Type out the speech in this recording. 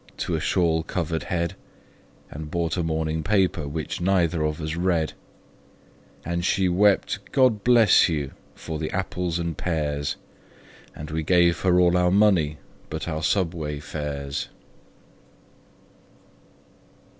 to a shawl covered head, And bought a morning paper, which neither of us read; And she wept, "God bless you!" for the apples and pears, And we gave her all our money but our subway fares.